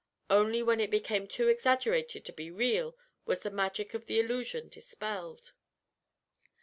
Only when it became too exaggerated to be real was the magic of the illusion dispelled."